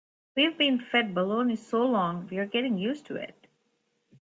We've been fed baloney so long we're getting used to it.